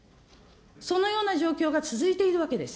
そのような状況が続いているわけです。